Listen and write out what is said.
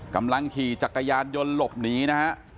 กำลังขี่จักรยานยนต์หลบหนีนะฮะ